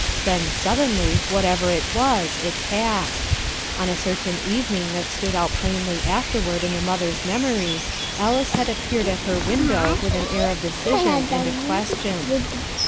Then, suddenly, what ever it was, it passed. On a certain evening that stood out plainly afterward in the mother's memory Alice had appeared at her window with an air of decision, and a question.